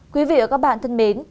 quý vị và các bạn thân mến